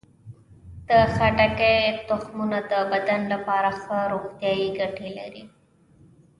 د خټکي تخمونه د بدن لپاره ښه روغتیايي ګټې لري.